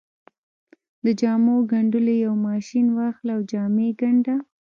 د جامو ګنډلو يو ماشين واخله او جامې ګنډه.